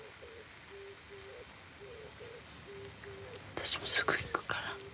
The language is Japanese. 私もすぐ行くから。